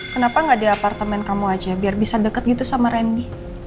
kenapa gak di apartemen kamu aja biar bisa deket gitu sama randy